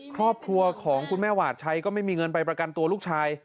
ครอบครัวของคุณแม่หวาดชัยก็ไม่มีเงินไปประกันตัวลูกชาย